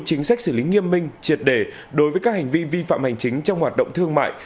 chính sách xử lý nghiêm minh triệt đề đối với các hành vi vi phạm hành chính trong hoạt động thương mại